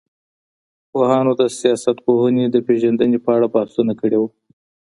پوهانو د سياست پوهني د پېژندني په اړه بحثونه کړي وو.